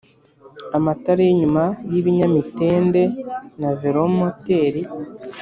amatara y'inyuma y'ibinyamitende na velomoteri,